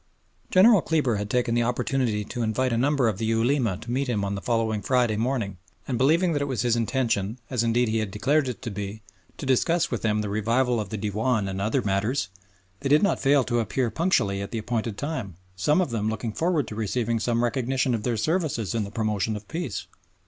General Kleber had taken the opportunity to invite a number of the Ulema to meet him on the following Friday morning, and believing that it was his intention, as indeed he had declared it to be, to discuss with them the revival of the Dewan and other matters, they did not fail to appear punctually at the appointed time, some of them looking forward to receiving some recognition of their services in the promotion of peace.